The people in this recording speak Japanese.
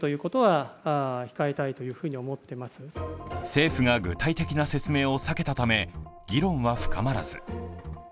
政府が具体的な説明を避けたため議論は深まらず。